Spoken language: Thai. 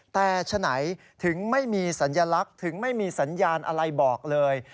แต่ฉะไหนถึงไม่มีสัญลักษณ์ถึงไม่มีสัญญาณอะไรบอกเลย